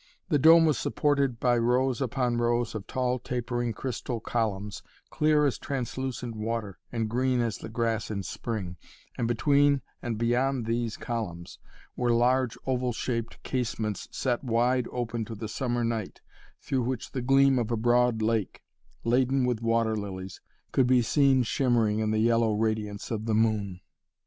The dome was supported by rows upon rows of tall tapering crystal columns, clear as translucent water and green as the grass in spring, and between and beyond these columns were large oval shaped casements set wide open to the summer night, through which the gleam of a broad lake, laden with water lilies, could be seen shimmering in the yellow radiance of the moon.